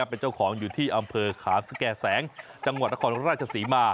เป็นเจ้าของอยู่ที่อำเภอขามสแก่แสงจังหวัดนครราชศรีมา